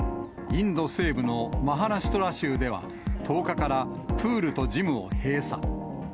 インド西部のマハラシュトラ州では、１０日からプールとジムを閉鎖。